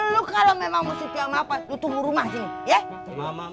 lu kalau memang mau setiap mapan lu tunggu rumah sini ya